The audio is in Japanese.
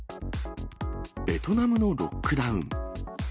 ベトナムのロックダウン。